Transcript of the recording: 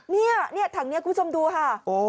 เนี่ยถังนี้คุณผู้ชมดูค่ะ